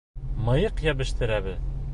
Мыйыҡ йәбештерәбеҙ!